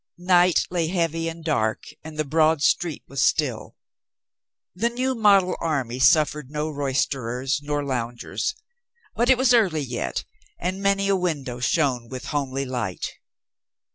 Night lay heavy and dark and the broad street was still. The New Model army suffered no roysterers nor loungers. But it was early yet and many a window shone with home ly light.